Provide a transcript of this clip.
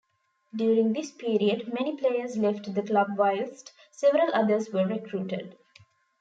During this period, many players left the club whilst several others were recruited.